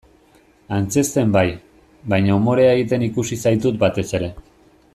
Antzezten bai, baina umorea egiten ikusi zaitut batez ere.